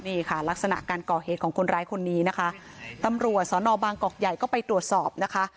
นี่ค่ะลักษณะการก่อเหตุของคนร้ายคนนี้นะคะตำรวจสอนอบางกอกใหญ่ก็ไปตรวจสอบนะคะ